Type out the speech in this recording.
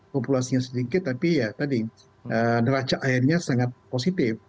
populasinya sedikit tapi ya tadi neraca airnya sangat positif